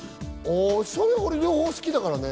それは両方好きだからね。